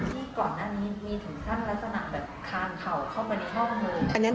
พี่ก่อนหน้านี้มีถึงสร้างลักษณะแบบทางเขาเข้าไปในห้องเลย